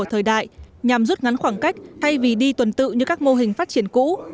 thời đại nhằm rút ngắn khoảng cách thay vì đi tuần tự như các mô hình phát triển cũ